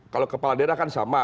kalau kepala daerah kan sama